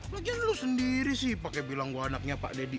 legian lu sendiri sih pakai bilang gua anaknya pak deddy